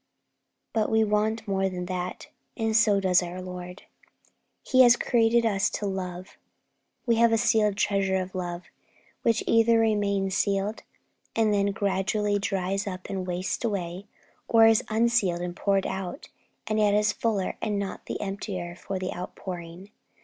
But we want more than that, and so does our Lord. He has created us to love. We have a sealed treasure of love, which either remains sealed, and then gradually dries up and wastes away, or is unsealed and poured out, and yet is the fuller and not the emptier for the outpouring.